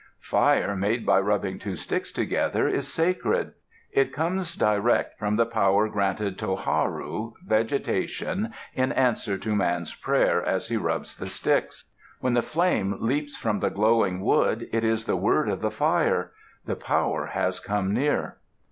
Fire made by rubbing two sticks together is sacred. It comes direct from the power granted Toharu, vegetation, in answer to man's prayer as he rubs the sticks. When the flame leaps from the glowing wood, it is the word of the fire. The power has come near.